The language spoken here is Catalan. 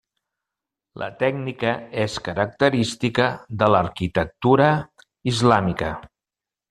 La tècnica és característica de l'arquitectura islàmica.